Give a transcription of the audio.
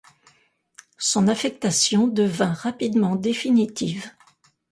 Son affectation devint rapidement définitive.